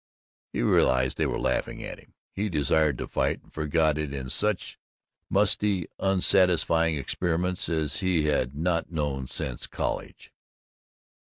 He realized they were laughing at him; he desired to fight; and forgot it in such musty unsatisfying experiments as he had not known since college.